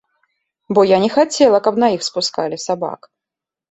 Бо я не хацела, каб на іх спускалі сабак.